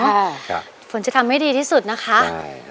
ค่ะฝนจะทำให้ดีที่สุดนะคะใช่ครับค่ะ